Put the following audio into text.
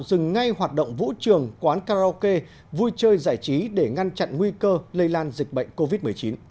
dừng ngay hoạt động vũ trường quán karaoke vui chơi giải trí để ngăn chặn nguy cơ lây lan dịch bệnh covid một mươi chín